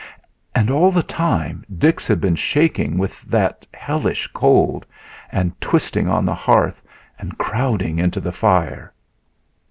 And all the time Dix had been shaking with that hellish cold, and twisting on the hearth and crowding into the fire.